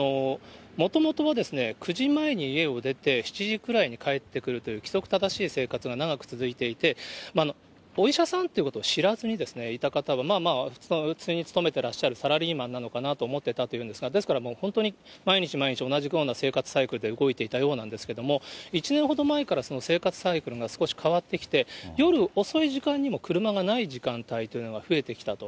もともとは９時前に家を出て、７時くらいに帰ってくるという、規則正しい生活が長く続いていて、お医者さんっていうことを知らずにいた方は、まあまあ普通に勤めてらっしゃるサラリーマンなのかなと思ってたというんですが、ですから本当に毎日毎日、同じような生活サイクルで動いていたようなんですけれども、１年ほど前から生活サイクルが少し変わってきて、夜遅い時間にも車がない時間帯というのが増えてきたと。